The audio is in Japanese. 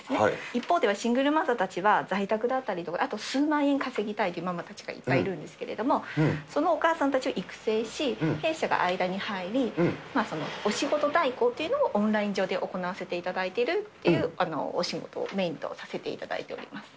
一方ではシングルマザーたちは、在宅だったりとか、あと数万円稼ぎたいっていうママたちがいっぱいいるんですけれども、そのお母さんたちを育成し、弊社が間に入り、そのお仕事代行というのをオンライン上で行わせていただいているっていうお仕事をメインとさせていただいています。